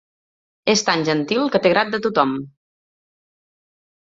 És tan gentil que té grat de tothom.